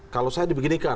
kalau saya dibikinikan